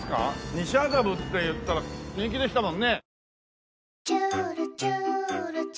西麻布っていったら人気でしたもんね。